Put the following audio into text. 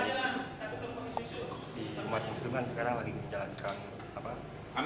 di rumah muslim kan sekarang lagi menjalankan